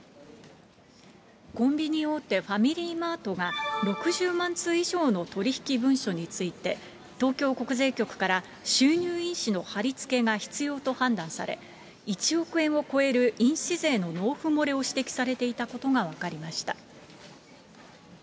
コンビニ大手、ファミリーマートが、６０万通以上の取り引き文書について、東京国税局から収入印紙の貼り付けが必要と判断され、１億円を超える印紙税の納付漏れを指摘されていたことが分かりました。